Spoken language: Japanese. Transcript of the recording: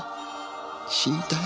死にたい。